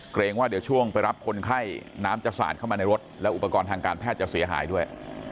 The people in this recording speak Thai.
ว่าเดี๋ยวช่วงไปรับคนไข้น้ำจะสาดเข้ามาในรถแล้วอุปกรณ์ทางการแพทย์จะเสียหายด้วย